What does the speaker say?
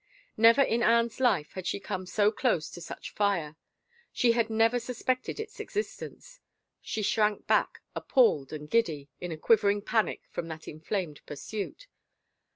Never in Anne's life had she come so close to such fire. She had never suspected its existence. She shrank back, appalled and giddy, in a quivering painic from that inflamed pursuit.